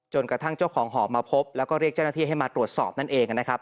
กระทั่งเจ้าของหอบมาพบแล้วก็เรียกเจ้าหน้าที่ให้มาตรวจสอบนั่นเองนะครับ